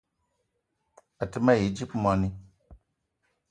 A te ma yi dzip moni